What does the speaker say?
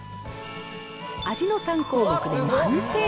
味の３項目で満点。